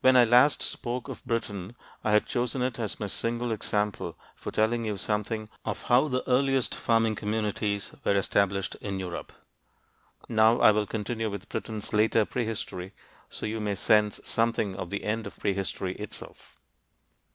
I last spoke of Britain on page 142; I had chosen it as my single example for telling you something of how the earliest farming communities were established in Europe. Now I will continue with Britain's later prehistory, so you may sense something of the end of prehistory itself.